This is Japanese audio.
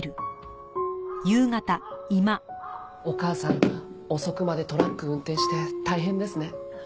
お母さん遅くまでトラック運転して大変ですね。